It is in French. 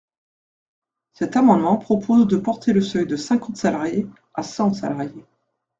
Cet amendement propose de porter le seuil de cinquante salariés à cent salariés.